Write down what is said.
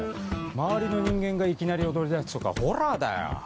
周りの人間がいきなり踊り出すとかホラーだよ。